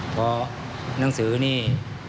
เพราะหนังสือนี่